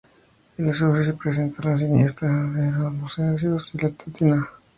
El azufre se presenta en la cisteína, los aminoácidos y la metionina.